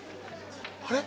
あれ？